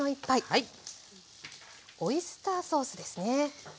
オイスターソースですね。